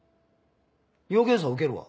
尿検査受けるわ。